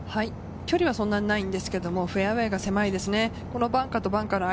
距離はそんなにないんですけれども、フェアウエーが狭いですね。